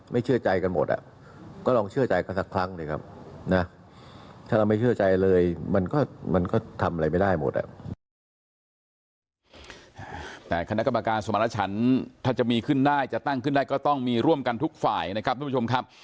ไม่เชื่อใจกันหมดอ่ะก็ลองเชื่อใจกันสักครั้งนะครับ